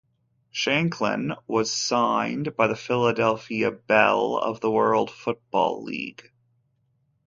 Shanklin was signed by the Philadelphia Bell of the World Football League.